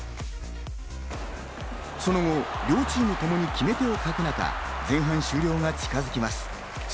その後、両チームともに決め手を欠く中、前半終了が近づきます。